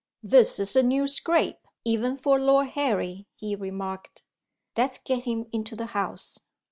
"This is a new scrape, even for Lord Harry," he remarked. "Let's get him into the house."